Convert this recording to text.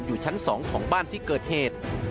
อยู่ชั้น๒ของบ้านที่เกิดเหตุ